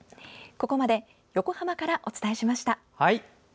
ここまで横浜からお伝えしました。